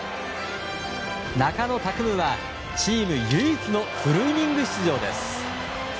中野拓夢はチーム唯一のフルイニング出場です。